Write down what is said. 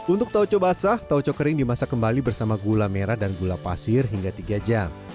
untuk taoco basah tauco kering dimasak kembali bersama gula merah dan gula pasir hingga tiga jam